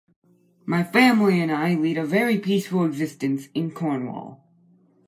My family and I lead a very peaceful existence in Cornwall.